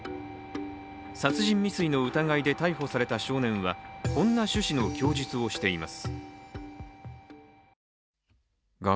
殺人未遂の疑いで逮捕された少年はこんな趣旨の供述をしています。